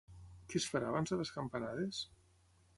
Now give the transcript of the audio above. Què es farà abans de les campanades?